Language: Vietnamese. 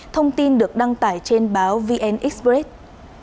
thông tin được đăng tải trên báo vn express